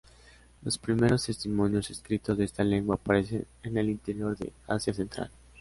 Los primeros testimonios escritos de esta lengua aparecen en el interior de Asia Central.